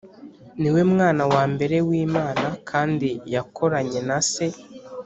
ni we mwana wa mbere w’imana, kandi yakoranye na se,